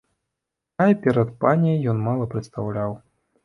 Рай перад паняй ён мала прадстаўляў.